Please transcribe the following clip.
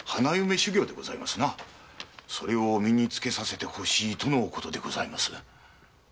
それを身に付けさせてほしいとのことでございます。